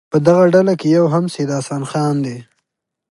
په دغه ډله کې یو هم سید حسن خان دی.